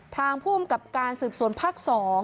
ทางภูมิกับการสืบสวนภาค๒